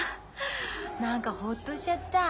何かほっとしちゃった。